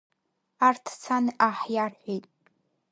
Арҭ цан аҳ иарҳәеит.